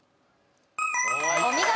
お見事。